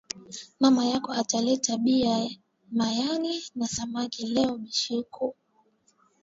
Mama yako ata leta bia mayani na samaki leo bushiku